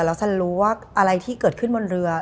แล้วฉันรู้ว่าอะไรที่เกิดขึ้นบนเรือ